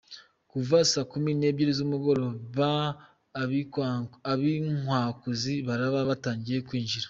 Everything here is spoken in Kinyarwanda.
Kuva Saa kumi n'ebyiri z'umugoroba ab'inkwakuzi baraba batangiye kwinjira.